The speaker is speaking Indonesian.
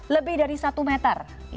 lebih dari satu meter